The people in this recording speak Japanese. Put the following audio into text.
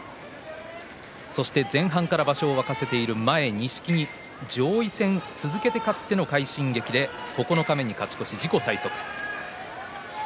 前半から場所を沸かせている錦木上位戦続けて勝っての快進撃で九日目に勝ち越し、自己最速。